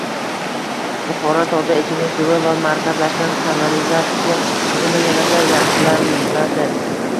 Buxoro toza ichimlik suvi va markazlashgan kanalizatsiya tizimi yanada yaxshilanadi